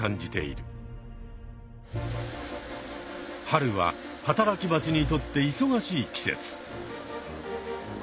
春は働きバチにとっていそがしい季節。